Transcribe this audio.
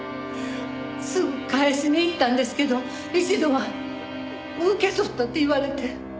すぐ返しに行ったんですけど一度は受け取ったって言われて。